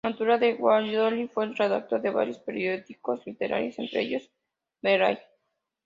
Natural de Valladolid, fue redactor de varios periódicos literarios, entre ellos "¡Velay!